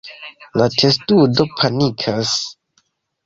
La testudo panikas.